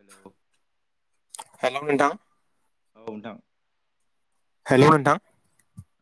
हेल हेल नोंथां औ नोंथां हेल नोंथां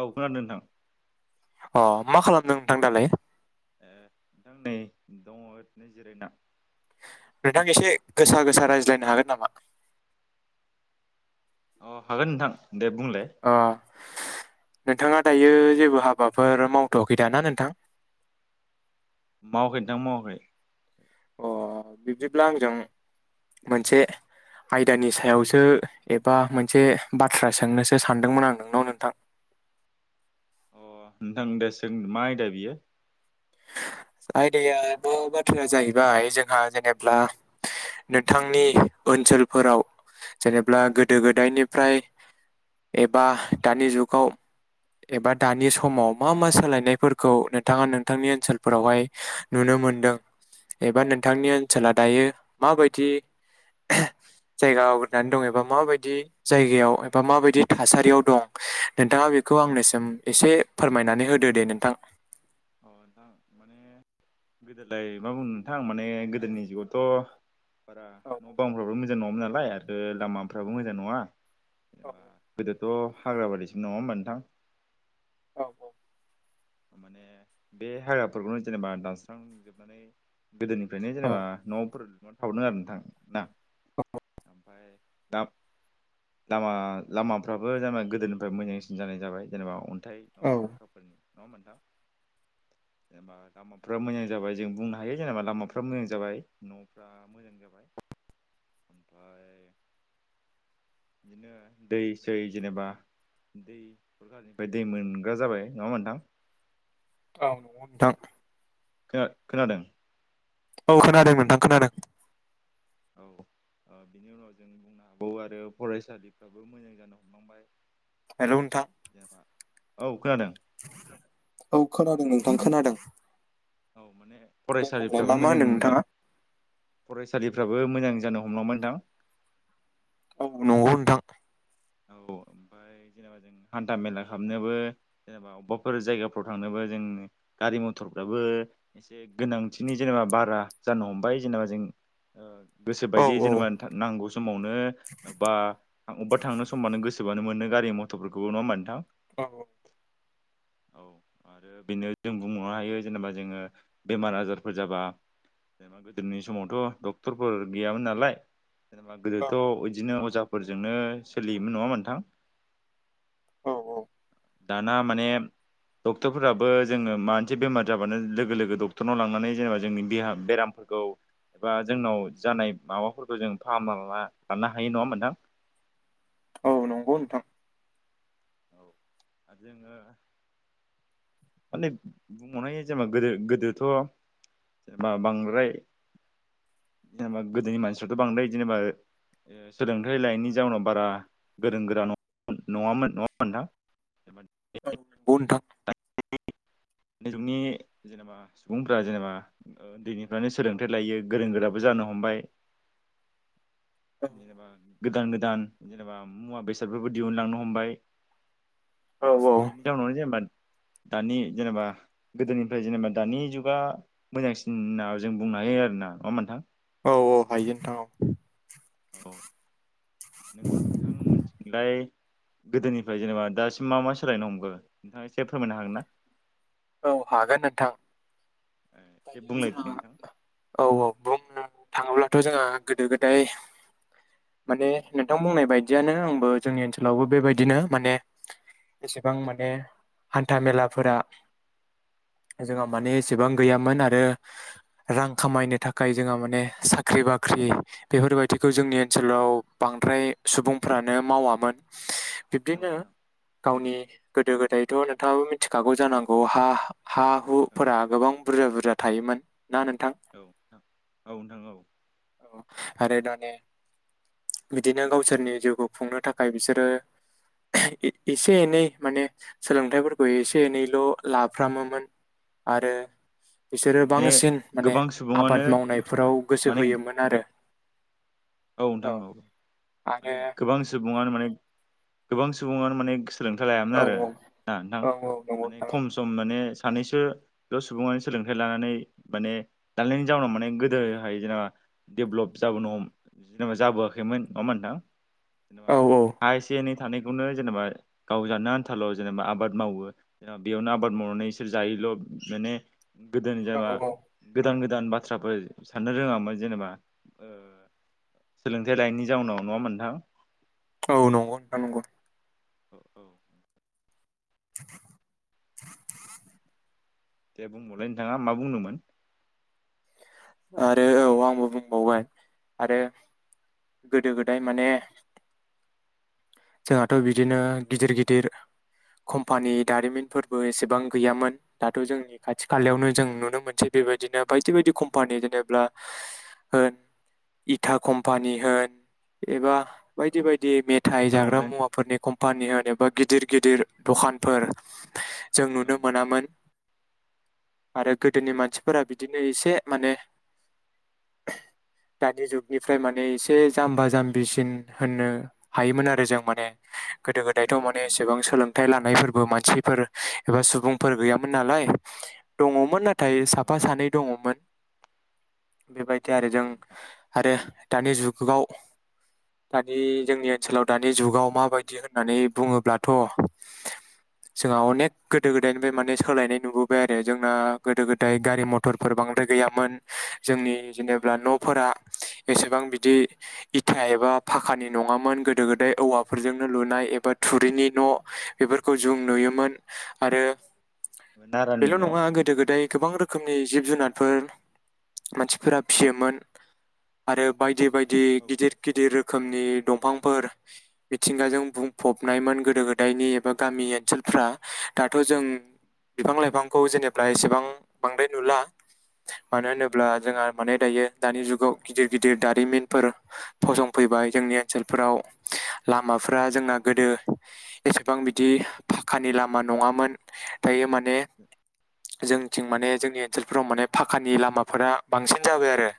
औ खोनादों नोंथां अ मा खालामदों नोंथां दालाय ए नोंथां नै दङ ओरैनो जिरायना नोंथां एसे गोसा गोसा रायज्लायनो हागोन नामा अ हागोन नोंथां दे बुंलाय। अ नोंथाङा दायो जेबो हाबाफोर मावथ आखै दाना नोंथां। मावाखै नोंथां मावाखै। अ बिब्दिब्ला आंजों मोनसे आयदानि सायावसो एबा मोनसे बाथ्रा सोंनोसो सानदोंमोन आं नोंनाव नोंथां। अ नोंथां दे सों मा आयदा बियो आयदायाबो बाथ्राया जाहैबाय जोंहा जेनेब्ला नोंथांनि ओनसोलफोराव जेनेब्ला गोदो गोदायनिफ्राय एबा दानि जुगाव एबा दानि समाव मा मा सोलायनायफोरखौ नोंथाङा नोंथांनि ओनसोल फोरावहाय नुनो मोनदों एबा नोंथांनि ओनसोला दायो माबायदि जायगा आवग्रिनानै दं एबा माबायदि जायगायाव एबा माबायदि थासारियाव दं नोंथाङा बेखौ आंनिसिम एसे फोरमायनानै होदो दे नोंथां। अ नोंथां माने गोदोलाय मा बुंनो नोंथां माने गोदोनि जुगावथ' औ न' बांफ्राबो मोजां नङामोन नालाय बिनिफ्राय आरो लामाफ्राबो मोजां नङा। औ गोदोथ' हाग्राबारिसो नङा होनबा नोंथां। औ। माने बे हाग्राफोरखौनो जेनेबा दानस्रांजोबनानै गोदोनिफ्रायनो जेनेबा औ न'आवफोर लुफावदों आरो नोंथां। ना। ओमफ्राय दा लामा लामाफ्राबो जेनेबा गोदोनिफ्राय मोजांसिन जानाय जाबाय जेनेबा अनथाय औ माबा औ फाखाफोरनि नंङा होनबा नोंथां ओमफ्राय लामाफ्रा मोजां जाबाय जों बुंनो हायो जेनेबा लामाफ्रा मोजां जाबाय न'फ्रा मोजां जाबाय ओमफ्राय बिदिनो दै सै जेनेबा दै मोनग्रा जाबाय नङा होनबा नोंथां। औ नोंथां। खोना खोनादों। औ खोनादों नोंथां खोनादों। औ बिनि उनाव जों बुंनो हाबावो आरो फरायसालिफ्राबो मोजां जानो हमलांबाय। हेलौ नोंथां। जेनेबा औ खोनादों। औ खोनादों नोंथां खोनादों। औ। माने दे बुंलाय मा फरायसालिफ्राबो मा होनदों नोंथाङा मोजांजादों। फरायसालिफ्राबो मोजां जानो हमलांबाय नोंथां। औ नंगौ नोंथां। औ ओमफ्राय जेनेबा जों हान्था मेला खालामनोबो जेनेबा अबाफोर जायगाफ्राव थांनोबो जों गारि मथरफ्राबो एसे गोनांथिनि जेनेबा बारा जानो हमबाय जेनेबा जों गोसो औ बायदि औ जेनेबा नांगौ समावनो बा अबेबा थांनो सम मानो गोसोबानो मोनो गारि मथरफोरखौ नङा होनबा नोंथां। औ। औ आरो बेनो जों बुंनो हायो जेनेबा जोङो बेमार आजारफोर जाबा जेनेबा गोदोनि समावथ' डक्टरफोर गैयामोन नालाय। जेनेबा औ गोदोथ' बिदिनो अजा फोरजोंनो सोलियोमोन नङा होमबा नोंथां। औ औ दाना माने डक्टरफोराबो जोङो माबा मोनसे बेमार जाबानो लोगो लोगो डक्टरनाव लांनानै जेनेबा जोंनिहा बेरामफोरखौ एबा जोंनाव जानाय माबाफोरखौ जों फाहाम लानो हायो नङा नोंथां औ नंगौ नोंथां [unintelligible] गोदो गोदोथ' जेनेबा बांद्राय जेनेबा गोदोनि मानसिफ्राथ' बांद्राय जेनेबा सोलोंथाइ लायैनि जाउनाव बारा गोरों गोरा न नङामोन [unintelligible] दानि औ नंगौ नोंथां जुगनि जेनेबा सुबुंफ्रा जेनेबा उन्दैनिफ्रायनो सोलोंथाइ लायो गोरों गोराबो जानो हमबाय। जेनेबा गोदान गोदान जेनेबा मुवा बेसादफोरबो दिहुनलांनो हमबाय औ बिनि औ टाउनावनो जेनबा दानि जेनेबा गोदोनिफ्राय जेनेबा दानि जुगा मोजांसिन होनना जों बुंनो हायो आरोना नङा होमबा नोंथां औ औ हायो नोंथां औ औ नोंथां मोनथिनाय गोदोनिफ्राय जेनेबा दासिम मा मा सोलायनो हमखो नोंथाङा एसे फोरमायनो हागोन ना? औ हागोन नोंथां। एसे दायो बुंलायदो जों नोंथां औ औ बुंनो थाङोब्लाथ' जोंहा गोदो गोदाय माने नोंथां बुंनाय बायदियानो आंबो जोंनि ओनसोलावबो बेबायदिनो माने एसेबां माने हान्था मेलाफोरा जोंहा माने एसेबां गैयामोन आरो रां खामायनो थाखाय जोंहा माने साख्रि बाख्रि बेफोरबायदिखौ जोंनि ओनसोलाव बांद्राय सुबुंफ्रानो मावामोन। औ बिब्दिनो नोंथां गावनि गोदो गोदायथ' नोंथाङाबो मिथिखागौ जानांगौ हा हा औ नोंथां औ हुफोरा गोबां बुरजा बुरजा थायोमोन ना नोंथां औ नोंथां औ नोंथां औ। आरो दानि बिदिनो गावसोरनि जिउखौ खुंनो थाखाय बिसोरो ए-एसे एनै माने सोलोंथाइफोरखौ एसे एनैल' लाफ्रामोमोन आरो बिसोरो माने बांसिन माने गोबां सुबुङानो आबाद मावनायफोराव गोसो माने होयोमोन आरो औ नोंथां औ। माने आरो गोबां सुबुङानो माने गोबां सुबुङानो माने गोस सोलोंथाइ लायामोन औ आरो ना नोंथां औ औ नंगौ माने नोंथां खम सम माने सानैसोल' सुबुङानो सोलोंथाइ लानानै माने दालनि जाउनाव माने गोदोहाय जा जेनेबा डेभलप जाबोनो हम जेनेबा जाबोआखैमोन नङा होमबा नोंथां औ हा एसे एनै थानायखौनो जेनेबा गाव जानो आन्थाल' जेनेबा आबाद मावो जेनेबा बेयावनो आबाद मावनानै बिसोर जायोल' माने गोदोनि औ जेनेबा औ गोदान गो दान बाथ्राफोर साननो रोङामोन जेनेबा ओ सोलोंथाइ लानायनि जाउनाव नङा होनबा नोंथां। औ नंगौ नोंथां नंगौ। औ औ [unintelligible] दे बुंबावलाय नोंथाङा मा बुंनोमोन? आरो औ आंबो बुंबावबाय आरो गोदो गोदाय माने जोंहाथ' बिदिनो गिदिर गिदिर कम्पानि दारिमिनफोरबो एसेबां गैयामोन दाथ' जोंनि खाथि खालायावनो जों औ नुनो मोनसै बेबायदिनो बायदि बायदि कम्पानि जेनेब्ला होन इटा कम्पानि होन एबा। बायदि औ बायदि मेथाइ गस्ला जाग्रा लंपेन्ट मुवाफोरनि कम्पानि होन एबा गिदिर गिदिर दखानफोर जों औ नुनो नोंथां मोनामोन आरो, गोदोनि मानसिफोरा बिदिनो एसे माने दानि जुगनिफ्राय माने एसे जाम्बा जाम्बिसिन होननो हायोमोन आरो जों माने गोदो गोदाय औ दायोथ' माने नोंथां एसेबां सोलों हथाइ लानायफोरबो मानसिफोर एबा सुबुंफोर गैयामोन नालाय। दङमोन नाथाय औ नोंथां औ साफा सानै दङमोन। बेबाय बि आरो जों औ नोंथां आरो दानि जुगगाव दानि जोंनि ओनसोलाव दानि दानि जुगाव माबायदि होननानै बुङोब्लाथ' जोंहा अनेक गोदो गोदायनिफ्राय माने सोलायनाय नुबोबाय आरो जोंना गोदो गोदाय गारि मथरफोर बांद्राय गैयामोन जोंनि जेनेबा न'फोरा एसेबां बिदि इथा एबा फाखानि नङामोन गोदो गोदाय। औवाफोरजोंनो लुनाय एबा थुरिनि न' बेफोरखौ जों नुयोमोन आरो। नारानि बेल' न' औ नङा गोदो गोदाय। गोबां रोखोमनि जिब जुनारफोर मानसिफोरा फिसियोमोन आरो बायदि बाय दि गिदिर औ गिदिर रोखोमनि। दंफांफोर मिथिंगाजों बुंफबनायमोन गोदो गोदायनि एबा गामि ओनसोलफ्रा दाथ' जों बिफां लाइफांखौ जेनेबा एसेबां बांद्राय नुला। मानो होनोब्ला नोंथां जोंहा माने दायो। दानि जुगाव गिदिर गिदिर दारिमिनफोर फसंफैबाय जोंनि ओनसोलफोराव [inaudible] लामाफोरा जोंना औ गोदो एसेबां बिदि फकानि लामा नङामोन दायो माने। [unintelligible] जोंथिं माने जोंनि ओनसोलफोराव माने फाखानि लामाफोरा बांसिन जाबाय आरो।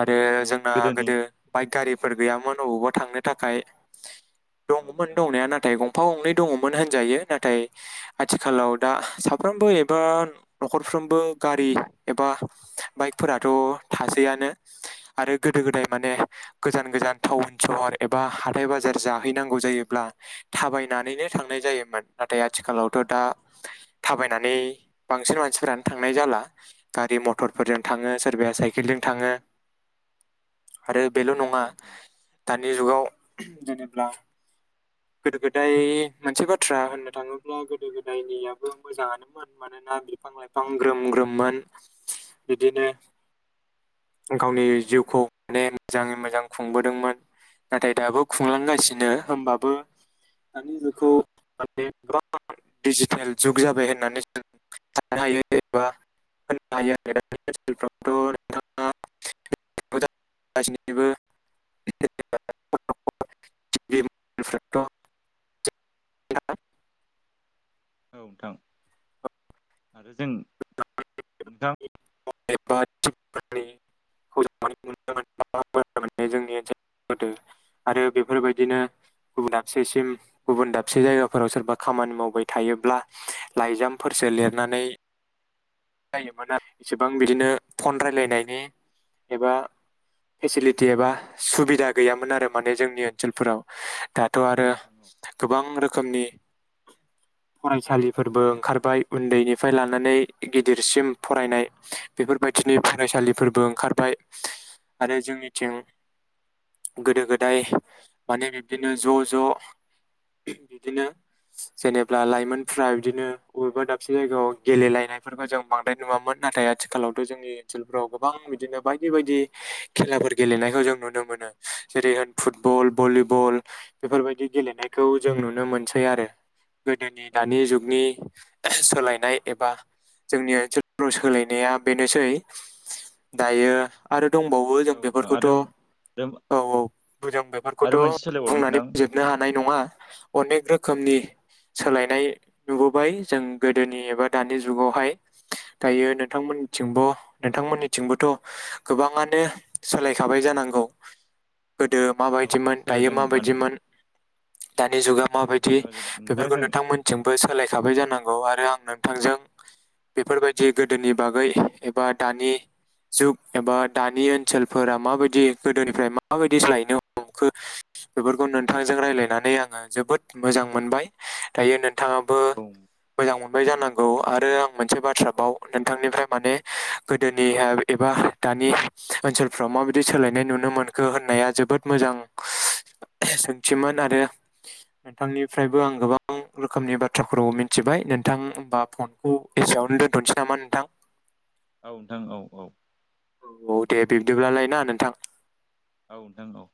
आरो माने जोंना गोदोनि गोदो बाइक गारिफोर गैयामोन अबावबा थांनो थाखाय औ दङमोन नोंथां औ दंनाया नाथाय गंफा गंनै दङमोन होनजायो नाथाय आथिखालाव दा साफ्रोमबो एबा न'खरफ्रोमबो गारि एबा बाइकफोराथ' थासैआनो आरो गोदो गोदाय माने गोजान गोजान टाउन सहर एबा हाथाय बाजार जाहैनांगौ जायोब्ला थाबायनानैनो थांनाय जायोमोन। नाथाय आथिखालावथ दा थाबायनानै बांसिन मानसिफोरानो थांनाय जाला गारि मथरफोरजों थाङो सोरबाया साइकेलजों थाङो आरो बेल नङा औ नोंथां दानि जुगाव जेनेब्ला गोदो- गोदाय मोनसे बाथ्रा होननो थाङोब्ला गोदो -गोदायनियाबो मोजाङानोमोन मानोना बिफां- लाइफां ग्रोम- ग्रोममोन बिदिनो गावनि जिउखौ माने मोजाङै मोजां खुंबोदोंमोन नाथाय दाबो खुं लांगासिनो औ नोंथां होमबाबो दानि जुग खौ माने गोबां दिजिटेल जुग जाबाय होननानै जों साननो हायो एबा होननो हायो [unintelligible] ओनसोलफोरावथ [unintelligible] [unintelligible] [unintelligible] औ जों नोंथां [unintelligible] आरो बेफोरबायदिनो गुबुन दाबसेसिम गुबुन दाबसे जायगाफोराव सोरबा खामानि मावबाय थायोब्ला लाइजामफोरसो लिरनानै जायोमोन आरो एसेबां बिदिनो फन रायलायनायनि एबा फेसिलिटि एबा सुबिदा गैयामोन आरो माने जोंनि ओनसोलफोराव दाथ' औ आरो नोंथां औ गोबां रोखोमनि फरायसालिफोरबो ओंखारबाय उन्दैनिफ्राय लानानै गिदिरसिम फरायनाय बेफोरबायदिनि फरायसालिफोरबो ओंखारबाय आरो जोंनिथिं गोदो - गोदाय माने बिब्दिनो ज' ज' बिदिनो जेनेब्ला लाइमोनफ्रा बिदिनो बबेबा दाबसे जायगायाव गेलेलायनायफोरखौ जों बांद्राय नुवामोन नाथाय आथिखालावथ जोंनि ओनसोलफ्राव गोबां बिदिनो बायदि बायदि खेलाफोर गेलेनायखौ जों नुनो मोनो जेरै होन फुटबल भलिबल बेफोरबायदि गेलेनायखौ जों नुनो मोनसै आरो गोदोनि औ दानि नोंथां औ जुगनि सोलायनाय एबा जोंनि ओनसोल फोराव सोलायनाया बेनोसै दायो आरो दंबावो जों औ नोंथां बेफोरखौथ औ आरो - औ जों बेफोरखौथ आरो मोनसे सोलायबावदों बुंनानै नोंथां फोजोबनो हानाय नङा अनेक रो खोमनि औ नोंथां सोलायनाय नुबो बाय जों गोदोनि एबा दानि जुगावहाय दायो नोंथांमोन थिंबो औ औ नोंथांमोननिथिंबोथ गोबाङानो सोलायखाबाय जानांगौ गोदो माबायदिमोन नोंथां दायो सोलायदों मानो माबायदिमोन दानि जुगा माबायदि जेनेबा जों नोंथां बेफोरखौ जों नोंथांमोनथिजोंबो सोलायखाबाय जानांगौ आरो आं नोंथांजों बेफोरबाय दि गोदोनि बागै एबा दानि जुग एबा दानि ओनसोलफोरा माबायदि गोदोनिफ्राय माबायदि सोलायनो हमखो बेफोरखौ नोंथांजों रायलायनानै आङो जोबोद मोजां मोनबाय दायो नोंथाङाबो औ मोजां मोनबाय जानांगौ आरो आं मोनसे बाथ्रा बाव नोंथां औ नोंथांनिफ्राय माने गोदोनि एबा दानि ओनसोलफ्राव माबायदि सोलायनाय नुनो मोनखो होननाया जोबोद मोजां सोंथिमोन आरो नोंथांनिफ्रायबो आं गोबां रोखोमनि बाथ्राफोरखौ मिथिबाय नोंथांबा फनखौ एसेयावनो दोन थनोसै नामा नोंथां औ नोंथां औ - औ औ दे बिब्दिब्लालाय ना नोंथां औ नोंथां औ